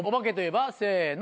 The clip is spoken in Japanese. せの。